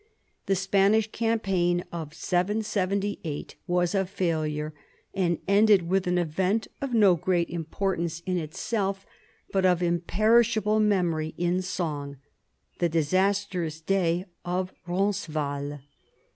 The Spanish campaign of 778 was a failure, and ended with an event of no great im portance in itself, but of imperishable memory in song, the disastrous day of Roncesvalles.